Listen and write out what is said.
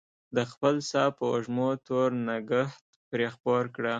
د خپل ساه په وږمو تور نګهت پرې خپور کړه